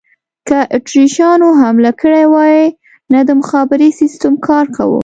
که اتریشیانو حمله کړې وای، نه د مخابرې سیسټم کار کاوه.